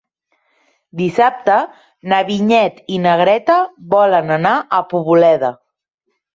Dissabte na Vinyet i na Greta volen anar a Poboleda.